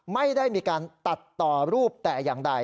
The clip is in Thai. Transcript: ไม่ได้มีการตัดต่อรูปแต่อย่างใด